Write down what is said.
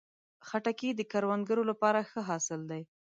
خټکی د کروندګرو لپاره ښه حاصل دی.